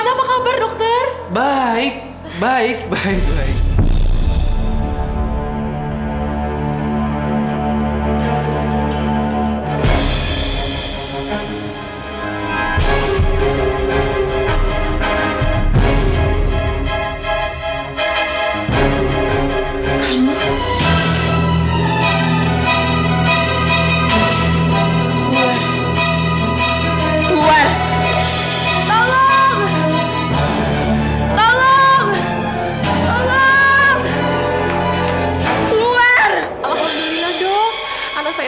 ya di luar aja oma